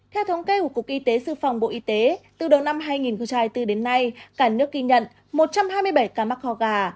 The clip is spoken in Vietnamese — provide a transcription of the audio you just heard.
theo thống kê của cục y tế sự phòng bộ y tế từ đầu năm hai nghìn hai mươi bốn đến nay cả nước ghi nhận một trăm hai mươi bảy ca mắc ho gà